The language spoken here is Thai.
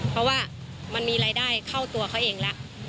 เพราะว่ามันมีรายได้เข้าตัวเขาเองแล้ว